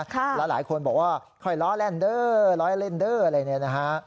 แล้วหลายคนบอกว่าค่อยล้อเล่นเด้อล้อเล่นเด้ออะไรเนี่ยนะฮะ